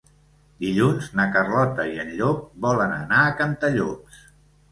Dilluns na Carlota i en Llop volen anar a Cantallops.